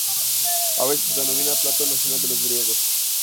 A veces se denomina "plato nacional de los griegos".